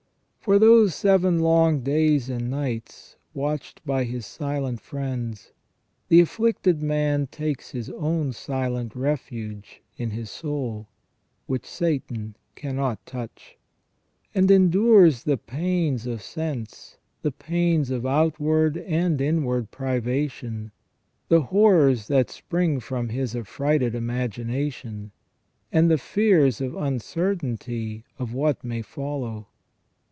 For those seven long days and nights, watched by his silent friends, the afflicted man takes his own silent refuge in his soul, which Satan cannot touch; and AS UNVEILED IN THE BOOK OF JOB. 157 endures the pains of sense, the pains of outward and inward privation, the horrors that spring from his affrighted imagination, and the fears of uncertainty of what may follow.